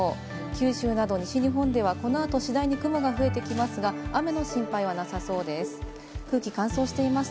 九州など西日本ではこの後、次第に雲が広がってきますが、雨の心配はなさそうです。